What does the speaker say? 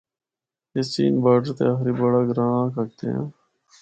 اس چین باڈر تے آخری بڑا گراں آکھ ہکدیاں ہاں۔